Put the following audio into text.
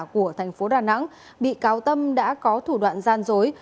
của thành phố đà nẵng bị cáo tâm đã có thủ đoạn gian dối